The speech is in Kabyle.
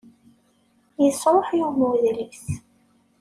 Yesṛuḥ yiwen n udlis.